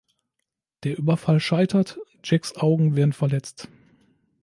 Der Überfall scheitert, Jacks Augen werden verletzt.